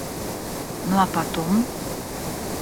Ну, а потом?